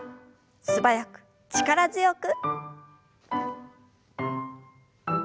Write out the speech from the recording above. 素早く力強く。